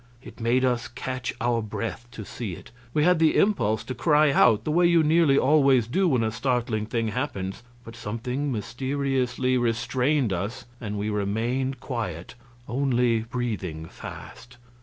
It made us catch our breath to see it. We had the impulse to cry out, the way you nearly always do when a startling thing happens, but something mysteriously restrained us and we remained quiet, only breathing fast.